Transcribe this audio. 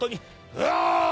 「うわ！」。